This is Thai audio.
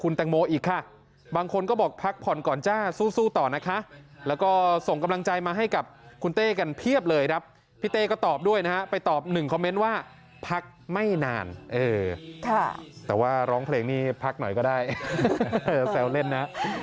แน่นอนแน่นอนแน่นอนแน่นอนแน่นอนแน่นอนแน่นอนแน่นอนแน่นอน